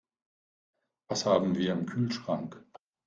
Was haben wir im Kühlschrank?